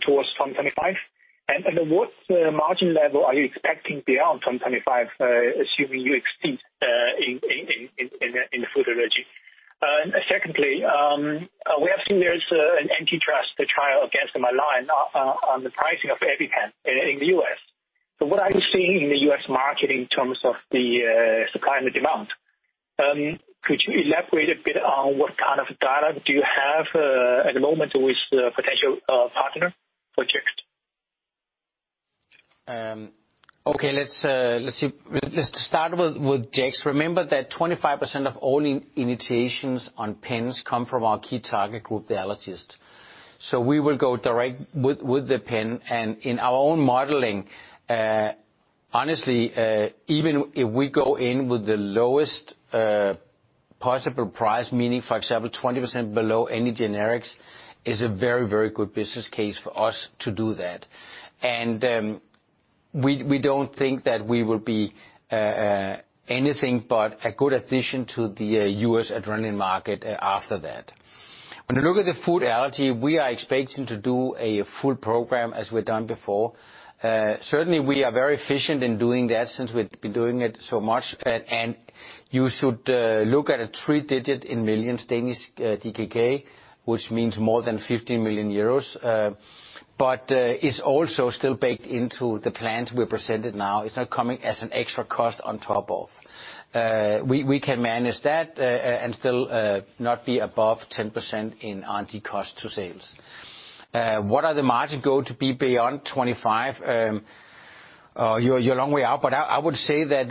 towards 2025? And what margin level are you expecting beyond 2025, assuming you exceed in the food allergy? Secondly, we have seen there's an antitrust trial against Mylan on the pricing of EpiPen in the U.S. So what are you seeing in the U.S. market in terms of the supply and the demand? Could you elaborate a bit on what kind of data do you have at the moment with potential partner for Jext? Okay. Let's start with Jext. Remember that 25% of all initiations on pens come from our key target group, the allergists. So we will go direct with the pen. And in our own modeling, honestly, even if we go in with the lowest possible price, meaning, for example, 20% below any generics, is a very, very good business case for us to do that. And we don't think that we will be anything but a good addition to the U.S. adrenaline market after that. When you look at the food allergy, we are expecting to do a full program as we've done before. Certainly, we are very efficient in doing that since we've been doing it so much. And you should look at a three-digit in millions Danish DKK, which means more than 15 million euros. But it's also still baked into the plans we presented now. It's not coming as an extra cost on top of. We can manage that and still not be above 10% in R&D cost to sales. What are the margin going to be beyond 25? You're a long way out, but I would say that,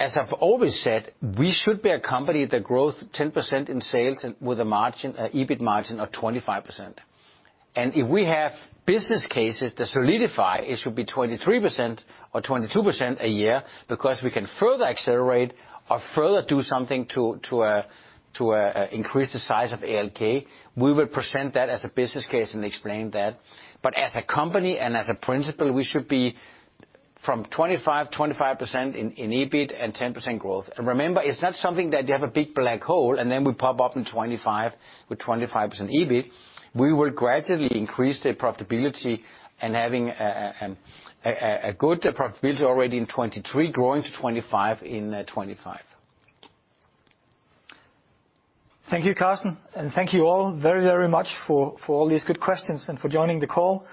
as I've always said, we should be a company that grows 10% in sales with a margin, EBIT margin of 25%. And if we have business cases that solidify, it should be 23% or 22% a year because we can further accelerate or further do something to increase the size of ALK. We will present that as a business case and explain that. But as a company and as a principle, we should be from 25% in EBIT and 10% growth. And remember, it's not something that you have a big black hole and then we pop up in 2025 with 25% EBIT. We will gradually increase the profitability and having a good profitability already in 2023, growing to 25% in 2025. Thank you, Carsten, and thank you all very, very much for all these good questions and for joining the call.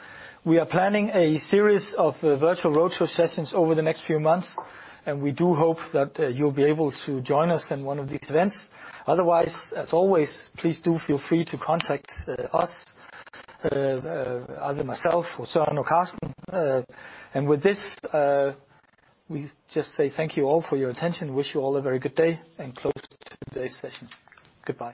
We are planning a series of virtual roadshow sessions over the next few months, and we do hope that you'll be able to join us in one of these events. Otherwise, as always, please do feel free to contact us, either myself or Søren or Carsten. And with this, we just say thank you all for your attention. Wish you all a very good day and close today's session. Goodbye.